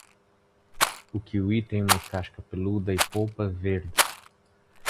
O kiwi tem uma casca peluda e polpa verde.